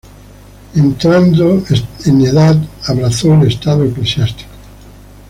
Entrado en edad abrazo el estado eclesiástico.